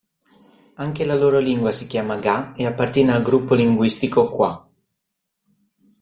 Anche la loro lingua si chiama Ga e appartiene al gruppo linguistico Kwa.